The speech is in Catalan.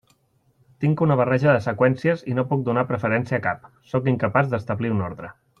Tinc una barreja de seqüències i no puc donar preferència a cap, sóc incapaç d'establir un ordre.